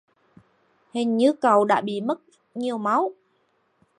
Hình như cậu đã bị mất nhiều máu